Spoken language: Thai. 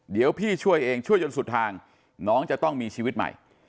เดี๋ยวพี่ช่วยเองช่วยจนสุดทางน้องจะต้องมีชีวิตใหม่